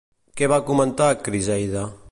Què va comentar Criseida?